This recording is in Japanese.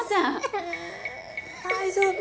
大丈夫。